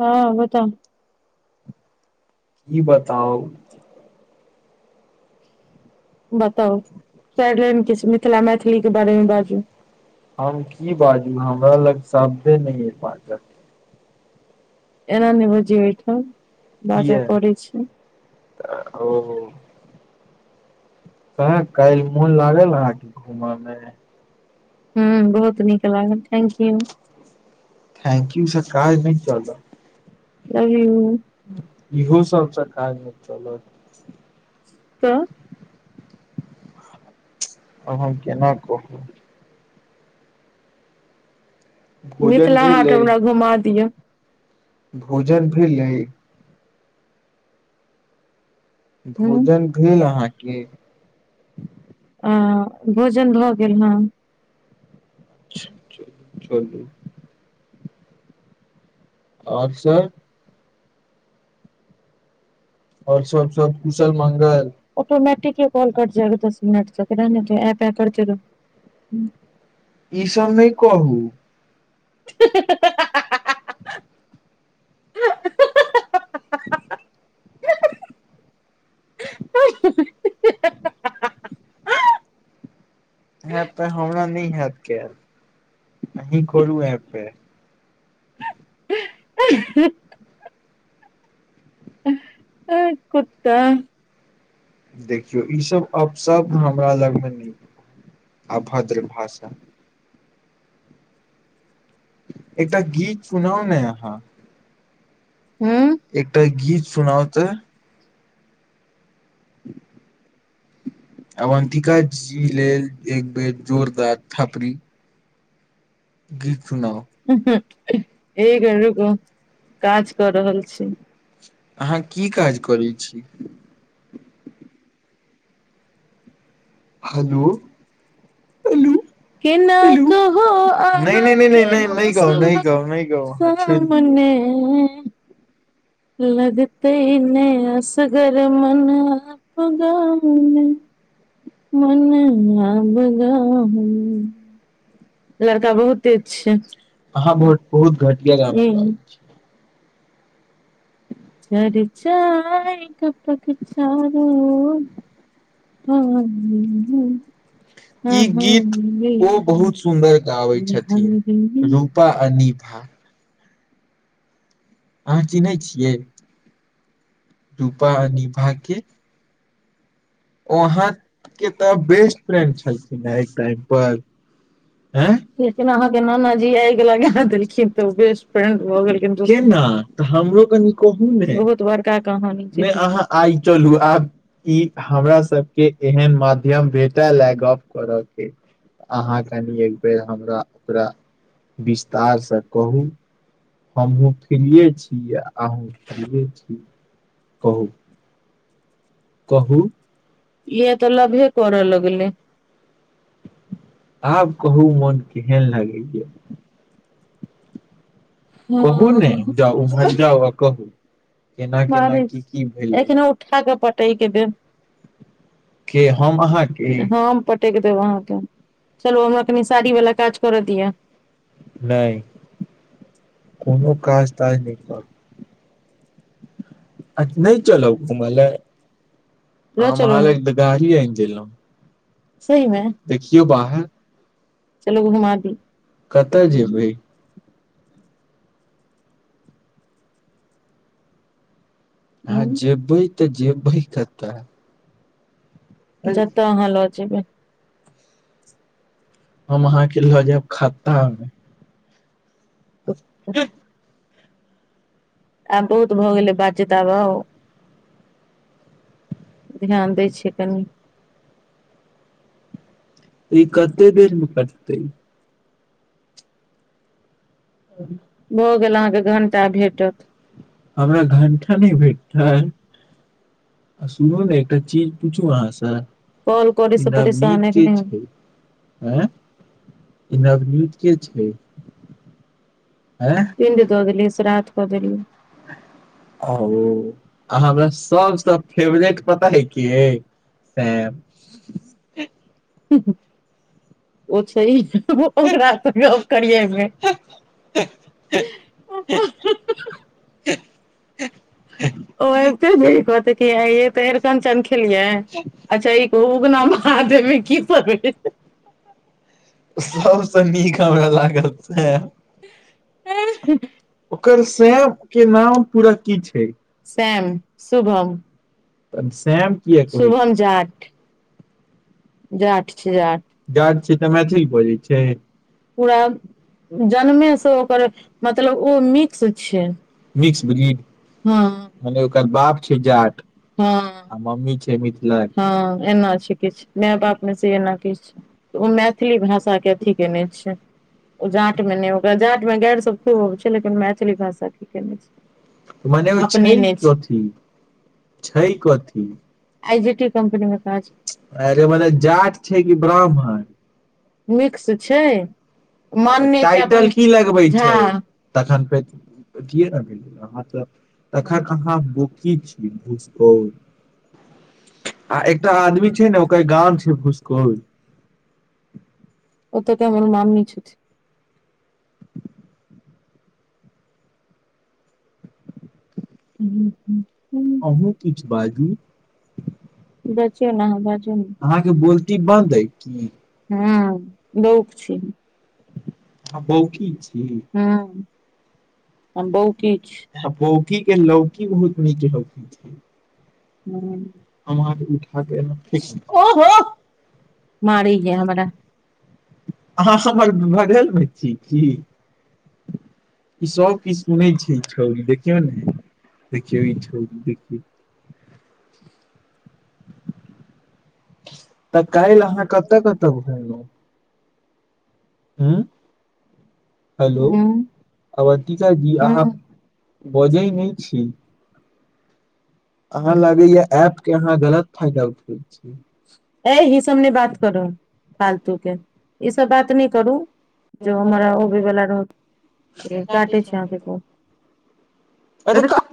हँ बताऊ की बताउ बताउ चाइर लाइन किछ मिथिला मैथिली केँ बारेमे बाजू की बाजू हमरालग साभ्ये नय एय मिथिला कऽ एना नय बाजियै एहिठाम बाजऽ पड़ै छै ओ तऽ काइल मोन लागल अहाँकेँ ओहिठामा हुँ बहुत निक लागल थेन्क्यू थेन्क्यू से काज नय चलत [unintelligible] इहो सब सँ काज नय चलत अब हम केना कहूँ मिथिला हाट हमरा घुमा दियऽ [unintelligible] भोजन भेल अहाँकेँ अ भोजन भऽ गेल हँ अ चल चलू - चलू आओर सब आओर सभ सब कुशल मंगल ऑटोमेटिकेँ कॉल कट जेबै दस मिनट तऽ रहने दियै एय पै करिते रहुँ ई सब नय कहूँ [unintelligible] [unintelligible] हैत त हमरा नै हेत केएल अहीं करू ए पे [inaudible] आ कुता देखियौ ई सभ अपशब्द हमरा लग मे नै अभद्र भाषा एकटा गीत सुनाउ ने अहाँ एकटा गीत सुनाउ तऽ अवन्तिका जी लेल एक बेर जोरदार थपड़ी। [unintelligible] हू एक मिनट रूकू काज कऽ रहल छी की काज करै छी। हलो केना कहू अहाँके [unintelligible] नै नै नै कहब नै कहब सामने लगतै नै असगर मन आब गाम मे मन आब गाम मे लड़का बहुत तेज छै अहाँ बहुत बहुत घटिया गाबय हुॅं चर्चा इ गपक चारू ओर भ गेलै आहा एलीयै ओ बहुत सुदर गाबै छथिध [unintelligible] रूपा अनिता अहाँ चिन्है छियै रूपा निभा के। अहाँ के तऽ बेस्ट फ्रेंड छलखिन हे एक टाइम पर ल अहाँके नानाजी द [unintelligible] न तऽ फ्रे भऽ गेल केना तऽ हमरो कनि कहू ने नै अहाँ आइ चलू आब ई हमरा सबके एहन माध्यम भेटल ए गप्प करऽ के अहाँ कनि एक बेर हमरा ओकरा विस्तार सँ कहू। हमहूँ फ्रीयै छी अहूँ फ्रियै छी कहु कहू इहे तऽ लभे करऽ लगलै आब कहू मन केहन लागै य [unintelligible] कहू ने एकटा उपकर्जा भ कऽ [unintelligible] एखनो उठा कऽ पटैक देब। के हम अहाँके हम पटैक देब अहाँके चलू हमरा कनी साड़ी वल्ला काज करऽ दिअ नै कुनो काज ताज नै कर। अ नै चल [unintelligible] ल चलु [unintelligible] गाड़ी आइन देब सही मे देखियौ बाहर चलू घुमा दि कतऽ जेबै [unintelligible] जेबे तऽ जेबै कत? ज तऽ अहाँ लऽजेबै हम अहाँके लऽ जेयब खत्ता मे हुह आब बहुत भऽ गेलै बातचीत आब आउ ध्यान दै छियै कनि। ई कते दिनमे कटतेै भऽ गेल अहाँके घण्टा भेटत हमरा घण्टा नय भेटल सुनू ने एकटा चीज पूछू अहाँसँ कॉल करैसँ परेशान एखने होबही आँय ई नवनीत के छै। आँय आ ओ‌ आ हमरा सभसँ फेवरेट पता अय के अय सैह [inaudible] ओ छै ओकरा से गप्प करियैमे [inaudible] ओ आबिते देरी कहतै कि ऐं यै अरिकंचन खेलियै अच्छा ई ओ उगना महादेब मे की पढै छै सबसँ नीक हमरा लागल वैहे ओकर शेम के नाम पूरा की छै ठीक शैम शुभम शुभम जाट जाट छै जाट जाट छै तऽ मैथिल बजै छै पूरा जन्मेसँ ओकर मतलब ओ मिक्स छै मिक्स ब्रीड हँ ओकर बाप छै जाट मम्मी छै मिथिलाक एना छै किछ माय बापमे से एना किछु उ मैथिली भाषाक के अथी केने छै ओ जाँट मे नय ओकरा जाँटमे गारि सब खूब अबै छै लेकिन मैथिली भाषा के केने छै मने ओ सबसे नीक [unintelligible] छै कथी आइ जूटी कंपनी मे काज करै छै अरे माने जाट छै कि ब्राह्मण? मिक्स छै टाइटल की लगबै छै छुट्टीये न भेल छेलै अहां तऽ तखन अहाँ बौकी छी भूसकौल आ एकटा आदमी छै ने ओकर गाम छै भूसकौल ओतैके हमर मामी छथिन अहूँ किछु बाजू अहाँ के बोलती बन्द अय की हँ बौक छी अहाँ बौकी छी हम बौके छी बौकी लौकी बहुत नीक होइ छै हूँ ओहो मारैये हमरा अहाँ हमर बगलमे छी की? ई सब किछ सुनै छै छौड़ी देखियौ ने देखियौ ई छौड़ी देखियौ तऽ काइल अहाँ कतऽ कतऽ घुमलौं उंम्म हेलो हमर पिताजी अहाँ बजै नय छी हमरा लागैये एप के अहाँ गलत फायदा उठबै छी एहि ई सब नय बात करब फालतू केँ ई सभ बात नै करू जो हमरा ओबै वला रहत लेकिन कटै छै अहाँ केँ फोन [unintelligible]